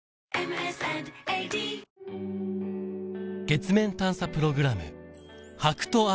月面探査プログラム